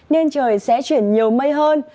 nên trời sẽ chuyển nhiều mây hơn